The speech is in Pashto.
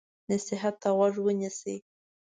نصیحت ته غوږ ونیسئ.